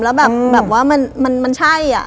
แล้วแบบว่ามันใช่อะ